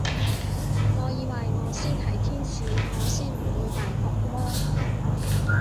我以為我先係天使，我先唔會扮惡魔